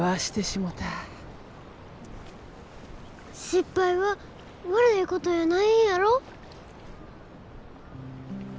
失敗は悪いことやないんやろ？